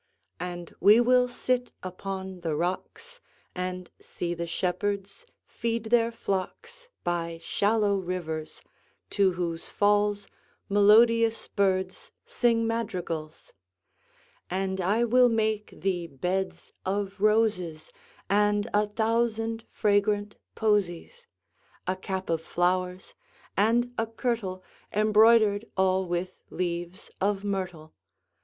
And we will sit upon the rocks, 5 And see the shepherds feed their flocks By shallow rivers, to whose falls Melodious birds sing madrigals. And I will make thee beds of roses And a thousand fragrant posies; 10 A cap of flowers, and a kirtle Embroider'd all with leaves of myrtle.